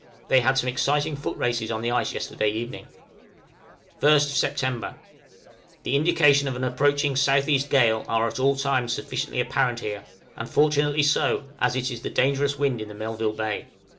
They had some exciting foot races on the ice yesterday evening. {SEPT., 1857.} {THE COMING STORM.} 1st Sept. The indication of an approaching S.E. gale are at all times sufficiently apparent here, and fortunately so, as it is the dangerous wind in the Melville Bay.